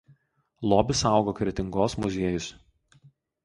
Lobį saugo Kretingos muziejus.